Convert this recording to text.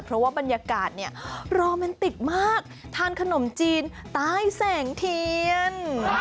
เพราะว่าบรรยากาศเนี่ยโรแมนติกมากทานขนมจีนใต้แสงเทียน